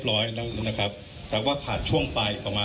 คุณผู้ชมไปฟังผู้ว่ารัฐกาลจังหวัดเชียงรายแถลงตอนนี้ค่ะ